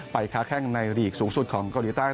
ค้าแข้งในหลีกสูงสุดของเกาหลีใต้